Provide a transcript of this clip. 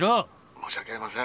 「申し訳ありません。